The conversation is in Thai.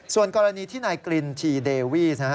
ส่วนกรณีที่นายกรินชีเดวีสนะฮะ